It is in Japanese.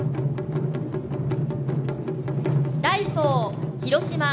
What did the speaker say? ダイソー・広島。